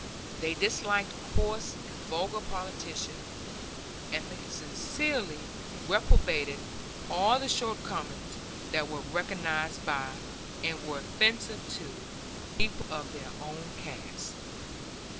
They disliked coarse and vulgar politicians, and they sincerely reprobated all the shortcomings that were recognized by, and were offensive to, people of their own caste.